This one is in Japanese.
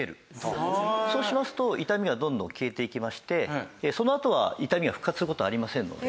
そうしますと痛みがどんどん消えていきましてそのあとは痛みが復活する事はありませんので。